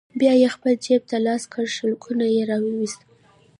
بيا يې خپل جيب ته لاس کړ، شلګون يې راوايست: